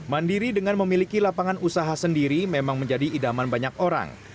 mandiri dengan memiliki lapangan usaha sendiri memang menjadi idaman banyak orang